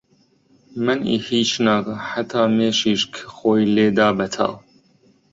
مەنعی هیچ ناکا حەتا مێشیش کە خۆی لێدا بە تاو